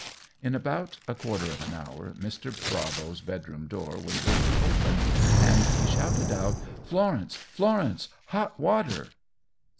In about a quarter of an hour Mr. Bravo's bedroom door was heard to open, and he shouted out, "Florence! Florence! Hot water."